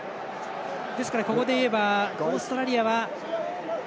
ですからここでいえばオーストラリアは。